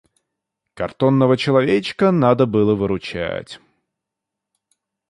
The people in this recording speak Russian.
Картонного человечка надо было выручать.